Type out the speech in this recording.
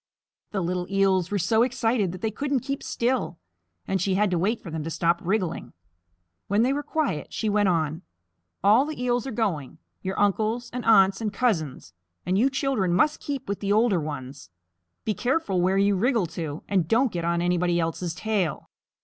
The little Eels were so excited that they couldn't keep still, and she had to wait for them to stop wriggling. When they were quiet, she went on. "All the Eels are going your uncles and aunts and cousins and you children must keep with the older ones. Be careful where you wriggle to, and don't get on anybody else's tail."